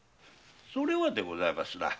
それはでございますな